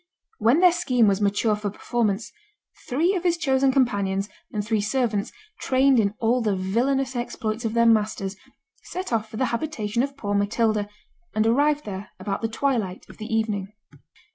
When their scheme was mature for performance, three of his chosen companions, and three servants, trained in all the villainous exploits of their masters, set off for the habitation of poor Matilda, and arrived there about the twilight of the evening.